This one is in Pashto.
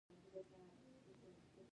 هغه به یې درته وښيي او تاسو به یې زده کړئ.